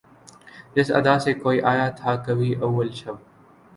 جس ادا سے کوئی آیا تھا کبھی اول شب